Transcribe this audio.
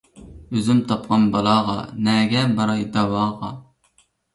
ئۆزۈم تاپقان بالاغا، نەگە باراي داۋاغا.